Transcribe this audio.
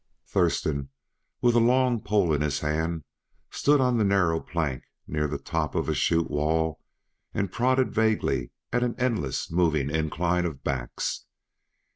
Thurston, with a long pole in his hand, stood on the narrow plank near the top of a chute wall and prodded vaguely at an endless, moving incline of backs.